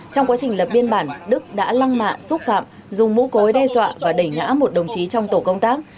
trong quá trình lập biên bản đức đã lăng mạ xúc phạm dùng mũ cối đe dọa và đẩy ngã một đồng chí trong tổ công tác